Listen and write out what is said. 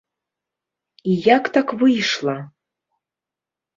І як так выйшла?